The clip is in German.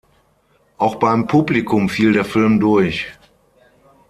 Auch beim Publikum fiel der Film durch.